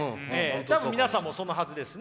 多分皆さんもそのはずですね